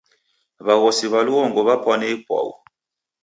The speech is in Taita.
W'aghosi w'a lughongo w'apwane ipwau.